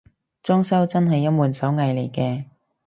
裝修都真係一門手藝嚟嘅